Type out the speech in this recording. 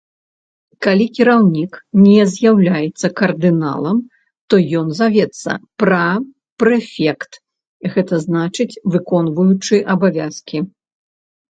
Калі кіраўнік не з'яўляецца кардыналам, то ён завецца пра-прэфект, гэта значыць выконваючы абавязкі.